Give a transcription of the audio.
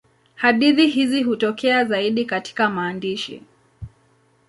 Hadithi hizi hutokea zaidi katika maandishi.